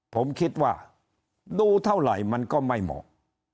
ผมคิดว่าดูเท่าไหร่มันก็ไม่เหมาะ